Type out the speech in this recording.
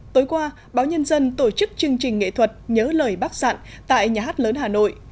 tối qua báo nhân dân tổ chức chương trình nghệ thuật nhớ lời bác sạn tại nhà hát lớn hà nội